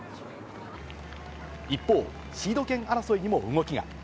一方、シード権争いにも動きが。